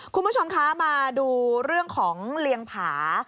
คุณผู้ชมคะมาดูเรื่องของเลียงผา